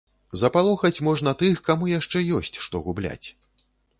Запалохаць можна тых, каму яшчэ ёсць што губляць.